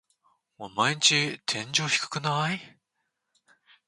オマエんち天井低くない？